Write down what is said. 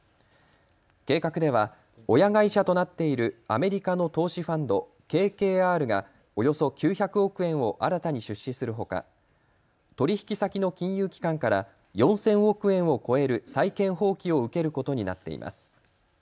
計画では親会社となっているアメリカの投資ファンド、ＫＫＲがおよそ９００億円を新たに出資するほか取引先の金融機関から４０００億円を超える債権放棄を受けることになっています。